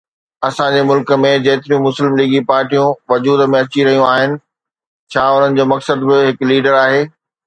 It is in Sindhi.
اسان جي ملڪ ۾ جيتريون مسلم ليگي پارٽيون وجود ۾ اچي رهيون آهن، ڇا انهن جو مقصد به هڪ ليڊر آهي؟